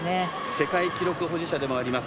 世界記録保持者でもあります。